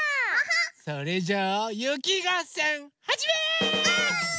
それじゃあゆきがっせんはじめ！